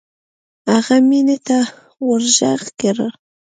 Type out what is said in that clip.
هغه مينې ته ورږغ کړه.